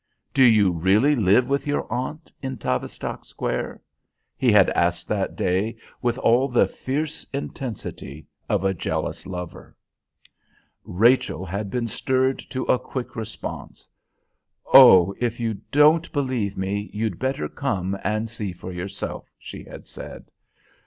Do you really live with your aunt in Tavistock Square?" he had asked that day, with all the fierce intensity of a jealous lover. Rachel had been stirred to a quick response. "Oh, if you don't believe me, you'd better come and see for yourself," she had said.